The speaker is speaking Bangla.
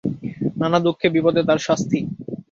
নানা দুঃখে বিপদে তার শাস্তি।